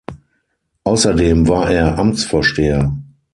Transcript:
Außerdem war er Amtsvorsteher.